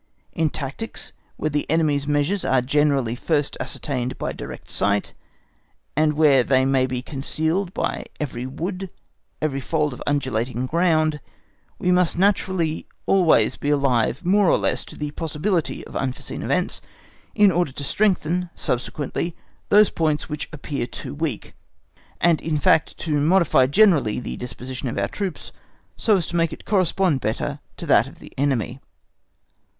In tactics, where the enemy's measures are generally first ascertained by direct sight, and where they may be concealed by every wood, every fold of undulating ground, we must naturally always be alive, more or less, to the possibility of unforeseen events, in order to strengthen, subsequently, those points which appear too weak, and, in fact, to modify generally the disposition of our troops, so as to make it correspond better to that of the enemy.